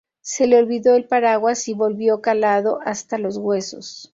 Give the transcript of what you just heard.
Se le olvidó el paraguas y volvió calado hasta los huesos